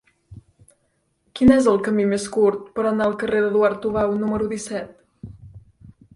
Quin és el camí més curt per anar al carrer d'Eduard Tubau número disset?